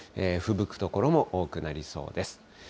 ふぶく所も多くなりそうです。